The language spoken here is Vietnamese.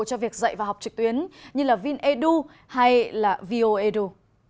cho việc dạy và học trực tuyến như vinedu hay vioedu